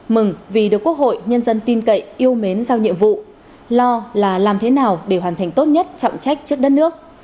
mừng vì được quốc hội nhân dân tin cậy yêu mến giao nhiệm vụ lo là làm thế nào để hoàn thành tốt nhất trọng trách trước đất nước